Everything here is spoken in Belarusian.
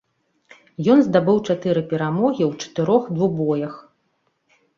Ён здабыў чатыры перамогі ў чатырох двубоях.